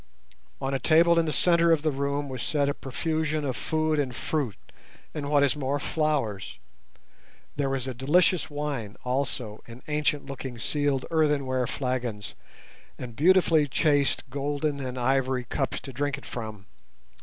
On a table in the centre of the room was set a profusion of food and fruit, and, what is more, flowers. There was a delicious wine also in ancient looking sealed earthenware flagons, and beautifully chased golden and ivory cups to drink it from.